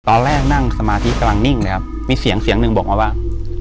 นั่งสมาธิกำลังนิ่งเลยครับมีเสียงเสียงหนึ่งบอกมาว่า